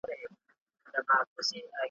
د زمري او ګیدړانو غوړ ماښام وو ,